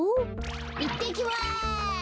いってきます。